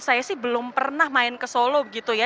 saya sih belum pernah main ke solo gitu ya